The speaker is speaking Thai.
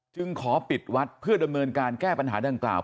ขอปิดวัดเพื่อดำเนินการแก้ปัญหาดังกล่าว